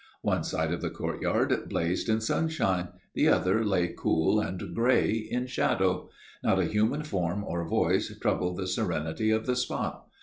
One side of the courtyard blazed in sunshine, the other lay cool and grey in shadow. Not a human form or voice troubled the serenity of the spot.